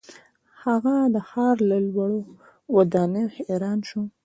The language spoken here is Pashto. هغه د ښار له لوړو ودانیو حیران شو.